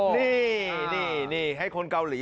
นี่นี่นี่ให้คนเกาหลี